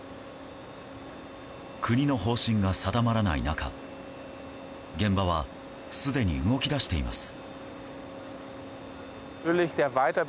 国の方針が定まらない中現場はすでに動き出しています。